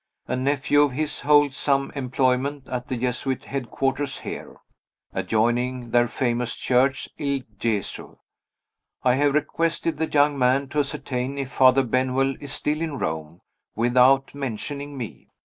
A nephew of his holds some employment at the Jesuit headquarters here, adjoining their famous church Il Gesu. I have requested the young man to ascertain if Father Benwell is still in Rome without mentioning me.